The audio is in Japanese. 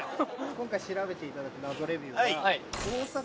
今回調べていただく謎レビューは。